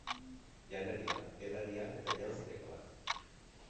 Janaria, edaria eta janztekoa.